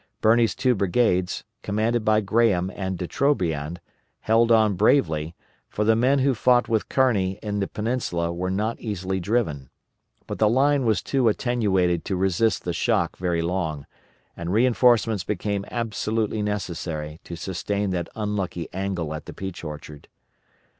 Birney's two brigades, commanded by Graham and De Trobriand, held on bravely, for the men who fought with Kearney in the Peninsula were not easily driven; but the line was too attenuated to resist the shock very long, and reinforcements became absolutely necessary to sustain that unlucky angle at the Peach Orchard.